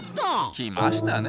来ましたね